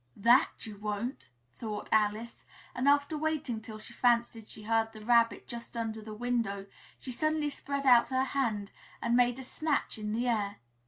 "That you won't!" thought Alice; and after waiting till she fancied she heard the Rabbit just under the window, she suddenly spread out her hand and made a snatch in the air.